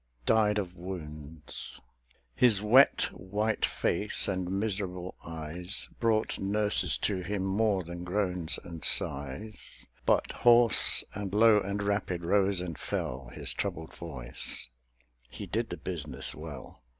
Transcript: DIED OF WOUNDS His wet, white face and miserable eyes Brought nurses to him more than groans and sighs: But hoarse and low and rapid rose and fell His troubled voice: he did the business well.